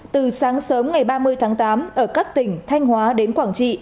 từ sáng sớm ngày ba mươi tháng tám ở các tỉnh thanh hóa đến quảng trị